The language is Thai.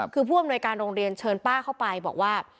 คือผู้อำนวยการโรงเรียนเชิญป้าเข้าไปบอกว่า